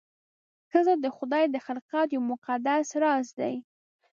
ښځه د خدای د خلقت یو مقدس راز دی.